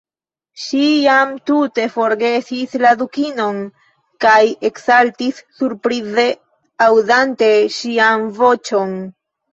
Ŝi jam tute forgesis la Dukinon, kaj eksaltis surprize, aŭdante ŝian voĉon.